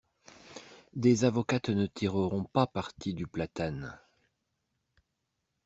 Des avocates ne tireront pas parti du platane.